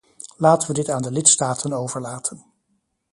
Laten we dit aan de lidstaten overlaten.